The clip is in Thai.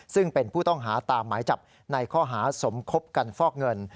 ซึ่งเป็นผู้ต้องหาตามหมายจับในข้อหาสมคบกันฟอกเงิน